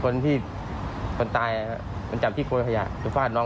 คนที่ตายมันจับที่โกรธยะที่ฟาดน้อง